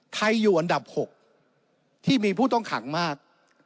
อยู่อันดับ๖ที่มีผู้ต้องขังมาก